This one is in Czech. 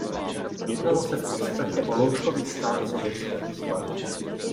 Jednalo se v podstatě o loutkový stát Sovětského svazu.